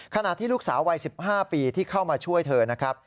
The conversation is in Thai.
ขณะที่ลูกสาววัย๑๕ปีที่เข้ามาช่วยเธอนะครับ